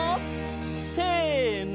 せの！